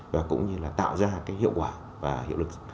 và cũng như là tạo ra cái hiệu quả và hiệu lực